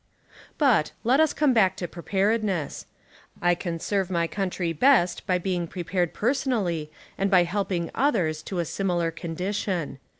But, let us come back to preparedness. I can serve my coun try best by being prepared personally and by helping others to a similar condition.